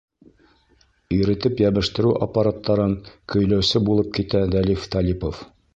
Иретеп йәбештереү аппараттарын көйләүсе булып китә Дәлиф Талипов.